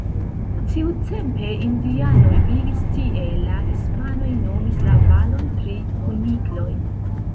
Tiutempe indianoj vivis tie, la hispanoj nomis la valon pri kunikloj.